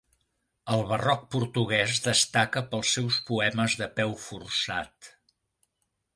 El barroc portuguès destaca pels seus poemes de peu forçat.